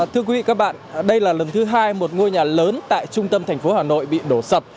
thưa quý vị các bạn đây là lần thứ hai một ngôi nhà lớn tại trung tâm thành phố hà nội bị đổ sập